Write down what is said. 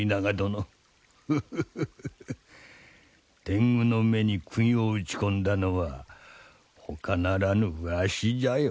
天狗の目に釘を打ち込んだのはほかならぬわしじゃよ。